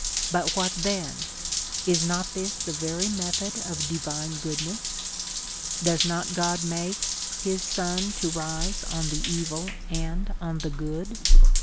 But what then ? Is not this the very method of divine goodness ? Does not God make his sun to rise on the evil and on the good